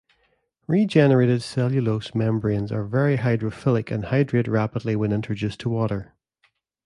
Regenerated cellulose membranes are very hydrophilic and hydrate rapidly when introduced to water.